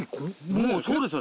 もうそうですよね。